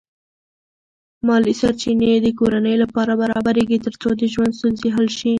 مالی سرچینې د کورنۍ لپاره برابرېږي ترڅو د ژوند ستونزې حل شي.